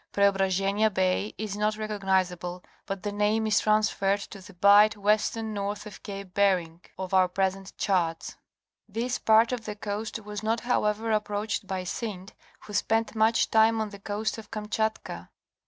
Preobra zhenia Bay is not recognizable but the name is transferred to the bight west and north of Cape Bering of our present charts. This part of the coast was not however approached by Synd, who spent much time on the coast of Kamchatka.